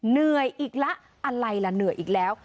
เหนื่อยอีกละอะไรล่ะเหนื่อยอีกแล้ว